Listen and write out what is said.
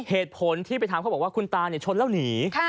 เหตุผลที่ไปทำเขาบอกว่าคุณตาชนแล้วหนี